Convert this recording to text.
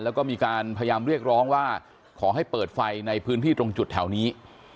แล้วก็มีการพยายามเรียกร้องว่าขอให้เปิดไฟในพื้นที่ตรงจุดแถวนี้